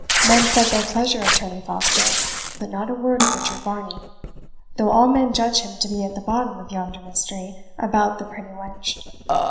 Men said their pleasure of Tony Foster, but not a word of Richard Varney, though all men judge him to be at the bottom of yonder mystery about the pretty wench.